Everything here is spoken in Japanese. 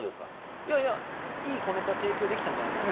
いやいや、いいが提供できたんじゃないかと。